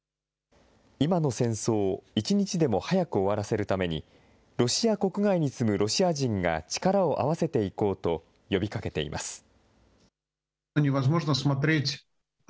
今の戦争を一日でも早く終わらせるためにロシア国外に住むロシア人が力を合わせていこうと呼びかけています。